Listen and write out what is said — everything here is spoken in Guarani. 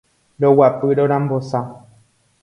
roguapy rorambosa